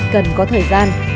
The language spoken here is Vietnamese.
cần có thời gian